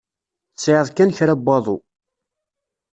Tesεiḍ kan kra n waḍu.